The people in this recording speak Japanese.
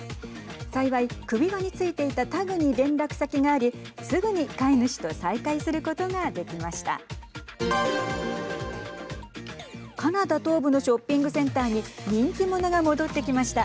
幸い首輪についていたタグに連絡先がありすぐに飼い主と再会することができました。